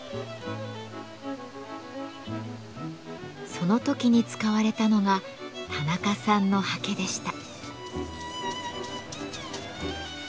その時に使われたのが田中さんの刷毛でした。